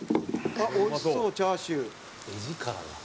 「あっ美味しそうチャーシュー」「画力が」